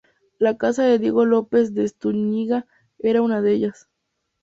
La casa de Diego López de Estúñiga era una de ellas.